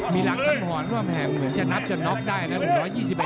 มีหลักทั้งหวานว่าเหมือนจะนับจะน็อคได้นะครับ